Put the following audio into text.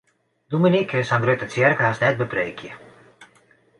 Dominy kin sa'n grutte tsjerke hast net bepreekje.